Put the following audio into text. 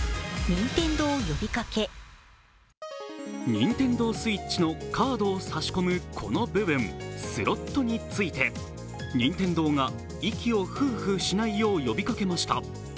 ＮｉｎｔｅｎｄｏＳｗｉｔｃｈのカードを差し込む、この部分、スロットについて、任天堂が息をフーフーしないよう呼びかけました。